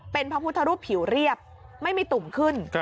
เป็นพระพุทธรูปผิวเรียบไม่มีตุ่มขึ้น